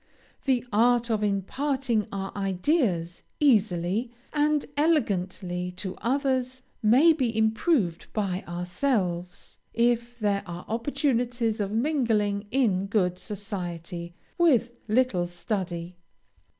The art of imparting our ideas easily and elegantly to others, may be improved by ourselves, if there are opportunities of mingling in good society, with little study.